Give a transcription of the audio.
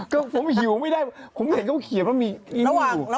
ก็ผมหิวไม่ได้ผมเห็นเขาเขียนว่ามีระหว่าง